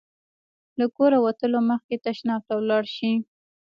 له کوره وتلو مخکې تشناب ته ولاړ شئ.